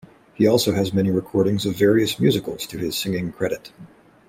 He also has many recordings of various musicals to his singing credit.